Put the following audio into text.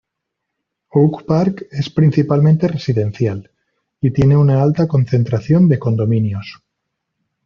Oak park es principalmente residencial, y tiene una alta concentración de condominios.